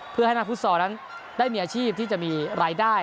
เพื่อให้นักฟุตซอลนั้นได้มีอาชีพที่จะมีรายได้